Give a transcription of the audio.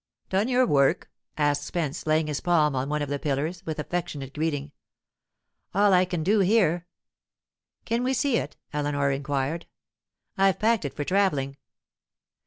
"Done your work?" asked Spence, laying his palm on one of the pillars, with affectionate greeting. "All I can do here." "Can we see it?" Eleanor inquired. "I've packed it for travelling."